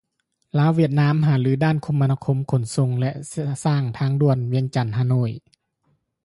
ລາວຫວຽດນາມ ຫາລືດ້ານຄົມມະນາຄົມຂົນສົ່ງ ແລະ ສ້າງທາງດ່ວນ ວຽງຈັນຮ່າໂນ້ຍ